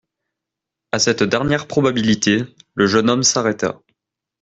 A cette dernière probabilité, le jeune homme s'arrêta.